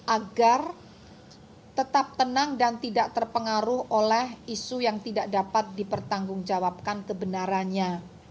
agar tetap tenang dan tidak terpengaruh oleh isu yang tidak dapat dipertanggungjawabkan kebenarannya